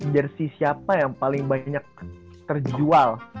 jersi siapa yang paling banyak terjual